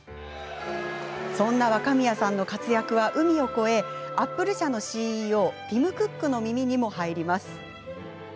そんな若宮さんの活躍は海を越えアップル社のＣＥＯティム・クックの耳にも入ります。